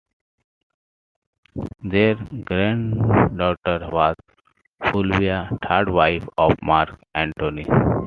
Their granddaughter was Fulvia, third wife of Mark Antony.